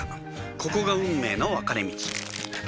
ここが運命の分かれ道